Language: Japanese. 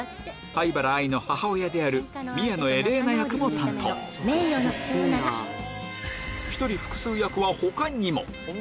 灰原哀の母親である宮野エレーナ役も担当１人複数役は他にも！